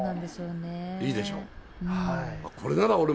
いいでしょう。